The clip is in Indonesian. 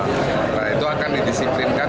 nah itu akan didisiplinkan